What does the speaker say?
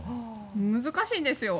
難しいんですよ。